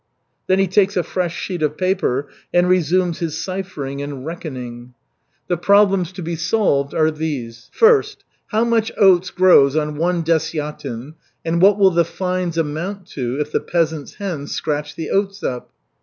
Then he takes a fresh sheet of paper and resumes his ciphering and reckoning. The problems to be solved are these: First, how much oats grows on one desyatin and what will the fines amount to if the peasants' hens scratch the oats up?